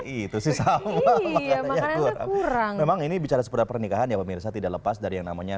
itu sih sama makanannya kurang memang ini bicara seputar pernikahan ya pemirsa tidak lepas dari yang namanya